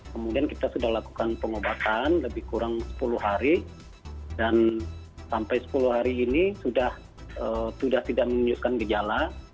kemudian kita sudah lakukan pengobatan lebih kurang sepuluh hari dan sampai sepuluh hari ini sudah tidak menunjukkan gejala